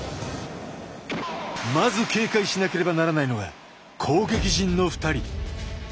まず警戒しなければならないのは攻撃陣の２人。